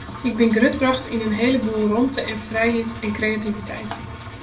Ik bin grutbrocht yn in hele boel rûmte en frijheid en kreativiteit.